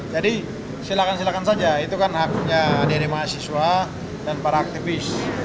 jadi silakan silakan saja itu kan haknya diri mahasiswa dan para aktivis